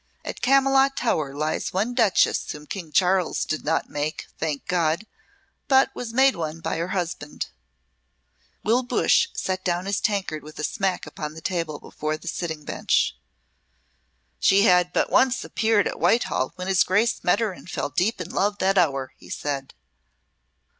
At Camylott Tower lies one Duchess whom King Charles did not make, thank God, but was made one by her husband." Will Bush set down his tankard with a smack upon the table before the sitting bench. "She had but once appeared at Whitehall when his Grace met her and fell deep in love that hour," he said.